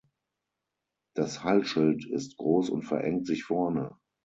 Das Halsschild ist groß und verengt sich vorne.